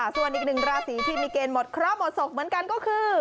ส่วนอีกหนึ่งราศีที่มีเกณฑ์หมดเคราะห์หมดศกเหมือนกันก็คือ